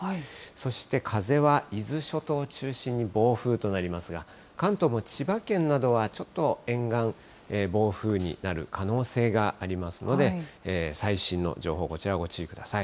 そして、風は伊豆諸島を中心に暴風となりますが、関東も千葉県などは、ちょっと沿岸、暴風になる可能性がありますので、最新の情報、こちらをご注意ください。